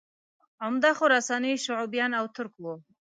عمده خراساني شعوبیان او ترک وو